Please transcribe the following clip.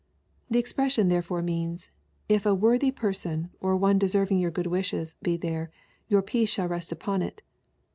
The expression therefore means, " If a worthy person, or one deserving your good wishes, be there, your peace shall rest upon it."